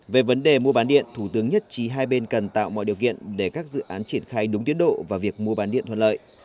về vấn đề mua bán điện thủ tướng nhất trí hai bên cần tạo mọi điều kiện để các dự án triển khai đúng tiến độ và việc mua bán điện thuận lợi